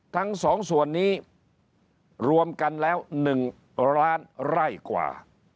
ทั้งสองส่วนนี้รวมกันแล้ว๑ล้านไร่กว่า